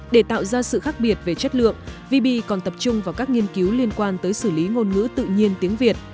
để tạo ra sự khác biệt về chất lượng vb còn tập trung vào các nghiên cứu liên quan tới xử lý ngôn ngữ tự nhiên tiếng việt